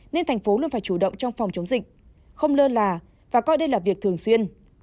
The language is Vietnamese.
nên thành phố luôn phải chủ động trong phòng chống dịch không lơ là và coi đây là việc thường xuyên